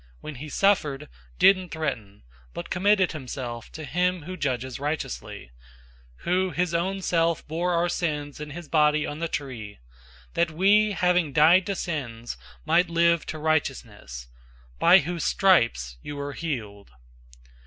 When he suffered, didn't threaten, but committed himself to him who judges righteously; 002:024 who his own self bore our sins in his body on the tree, that we, having died to sins, might live to righteousness; by whose stripes you were healed.